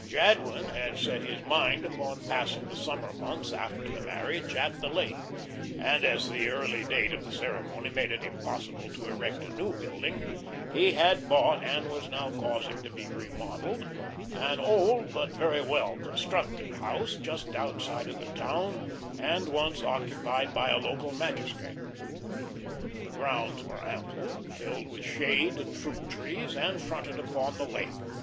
Jadwin had set his mind upon passing the summer months after the marriage at the lake, and as the early date of the ceremony made it impossible to erect a new building, he had bought, and was now causing to be remodelled, an old but very well constructed house just outside of the town and once occupied by a local magistrate. The grounds were ample, filled with shade and fruit trees, and fronted upon the lake.